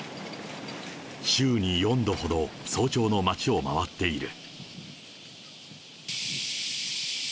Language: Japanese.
週に４度ほど、早朝の街を回っている。